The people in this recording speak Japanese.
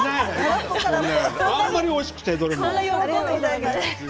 あんまりおいしくて、どれも。